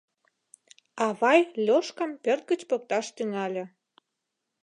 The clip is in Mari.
Авай Лёшкам пӧрт гыч покташ тӱҥале.